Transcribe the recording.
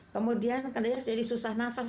kemudian kadang kadang jadi susah nafas